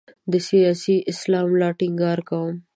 سیاسي اسلام لا ټینګار کوي.